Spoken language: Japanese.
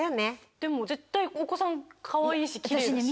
でも絶対お子さんかわいいしキレイだし。